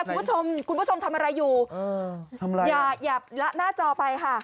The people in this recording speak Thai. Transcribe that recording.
คุณผู้ชมคุณผู้ชมทำอะไรอยู่อย่าอย่าละหน้าจอไปค่ะ